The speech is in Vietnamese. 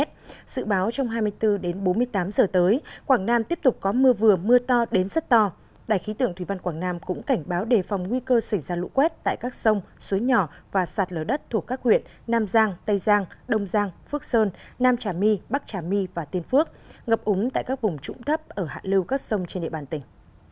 trong hai mươi bốn bốn mươi tám giờ tới quảng nam tiếp tục có mưa vừa mưa to đến rất to đài khí tượng thủy văn quảng nam cũng cảnh báo đề phòng nguy cơ xảy ra lũ quét tại các sông suối nhỏ và sạt lở đất thuộc các huyện nam giang tây giang đông giang phước sơn nam trà my bắc trà my và tiên phước ngập úng tại các vùng trụng thấp ở hạ lưu các sông trên địa bàn tỉnh